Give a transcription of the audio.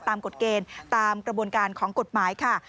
กฎเกณฑ์ตามกระบวนการของกฎหมายค่ะ